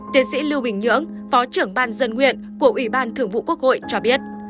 tiến sĩ lưu bình nhưỡng phó trưởng ban dân nguyện của ủy ban thường vụ quốc hội cho biết